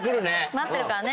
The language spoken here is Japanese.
待ってるからね。